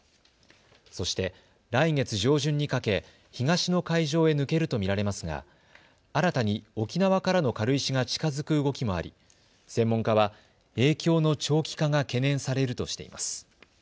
そして、来月上旬にかけ東の海上へ抜けると見られますが新たに沖縄からの軽石が近づく動きもあり専門家は影響の長期化が懸念されるとしています。